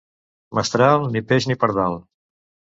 Mestral, ni peix ni pardal.